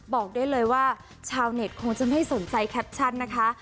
บอกได้เลยว่าชาวเน็ตคงจะไม่สนใจแคปชั่นนะคะ